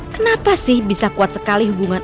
kenapa sih bisa kuat sekali hubungan